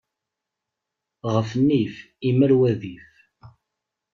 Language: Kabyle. Ɣef nnif, immar wadif.